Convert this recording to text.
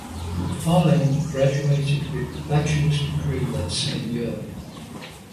McFarlane graduated with Bachelor's degree that same year.